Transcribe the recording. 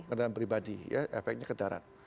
kendaraan pribadi ya efeknya ke darat